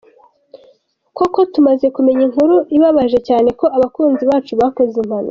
koko tumaze kumenya inkuru ibabaje cyane ko abakunzi bacu bakoze impanuka.